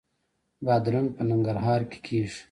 بادرنګ په ننګرهار کې کیږي